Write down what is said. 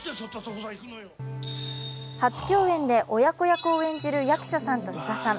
初共演で親子役を演じる役所さんと菅田さん。